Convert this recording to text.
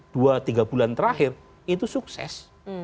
dua tiga bulan terakhir itu sukses